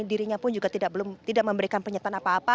dirinya pun juga tidak memberikan penyataan apa apa